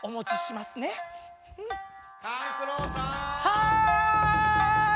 はい！